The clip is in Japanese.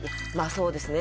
そうですね